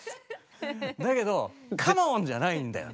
だけど「カモン！」じゃないんだよね。